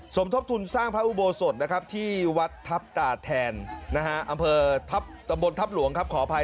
สมทบทุนสร้างพระอุโบสถนะครับที่วัดทัพตาแทนอำเภอตำบลทัพหลวงครับขออภัย